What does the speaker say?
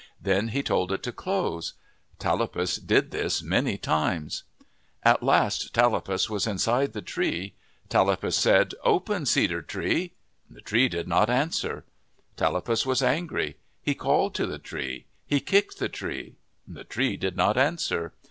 Then he told it to close. Tallapus did this many times. At last Tallapus was inside the tree. Tallapus said, 127 MYTHS AND LEGENDS "Open, Cedar Tree!" The tree did not answer. Tallapus was angry. He called to the tree. He kicked the tree. The tree did not answer.